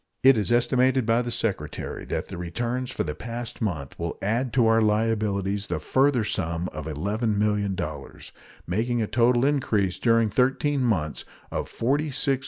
It is estimated by the Secretary that the returns for the past month will add to our liabilities the further sum of $11,000,000, making a total increase during thirteen months of $46,500,000.